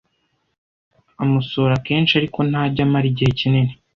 Amusura kenshi, ariko ntajya amara igihe kinini.